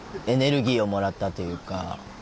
エネルギーをもらったというか。